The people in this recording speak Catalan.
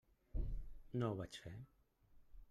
No ho vaig fer.